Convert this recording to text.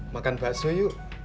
makan bakso yuk